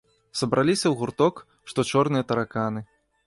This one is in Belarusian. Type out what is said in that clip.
Сабраліся ў гурток, што чорныя тараканы.